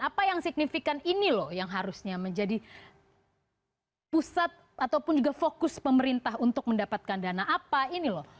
apa yang signifikan ini loh yang harusnya menjadi pusat ataupun juga fokus pemerintah untuk mendapatkan dana apa ini loh